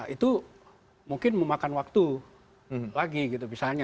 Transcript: itu mungkin memakan waktu lagi gitu misalnya